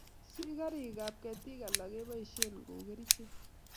sigarik ab ketik alal keboishen kouu kerichek